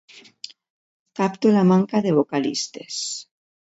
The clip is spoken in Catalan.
Capto la manca de vocalistes.